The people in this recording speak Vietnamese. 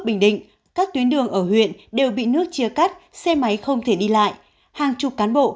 bình định các tuyến đường ở huyện đều bị nước chia cắt xe máy không thể đi lại hàng chục cán bộ